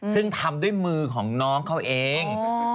ซึ่งทำด้วยมือของน้องเขาเอง